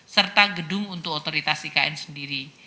serta gedung untuk otoritas ikn sendiri